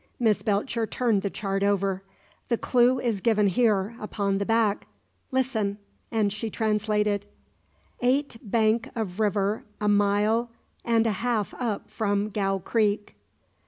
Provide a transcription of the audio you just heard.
Miss Belcher turned the chart over. "The clue is given here, upon the back. Listen." And she translated: "'Right bank of river a mile and a half up from Gow Creek.